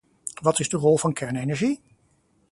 Wat is de rol van kernenergie?